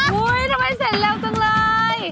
ทำไมเสร็จเร็วจังเลย